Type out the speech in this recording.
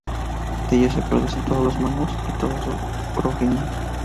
De ellos se producen todos los Manus y toda su progenie.